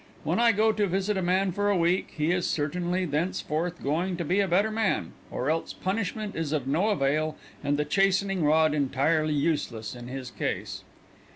When I go to visit a man for a week, he is certainly thenceforth going to be a better man, or else punishment is of no avail and the chastening rod entirely useless in his case.